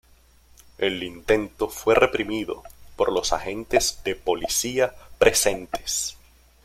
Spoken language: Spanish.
El intento fue reprimido por los agentes de policía presentes.